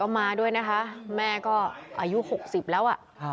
ก็มาด้วยนะคะแม่ก็อายุหกสิบแล้ว